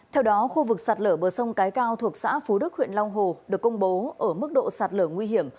theo đó khu vực sạt lở bờ sông cái cao thuộc xã phú đức huyện long hồ được công bố ở mức độ sạt lở nguy hiểm